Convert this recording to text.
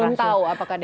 belum tahu apakah itu